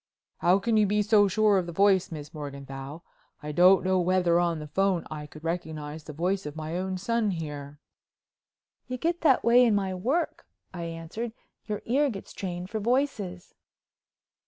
"How can you be so sure of the voice, Miss Morganthau? I don't know whether on the phone I could recognize the voice of my own son here." "You get that way in my work," I answered. "Your ear gets trained for voices."